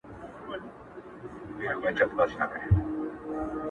مخ یې ونیوی د نیل د سیند پر لوري،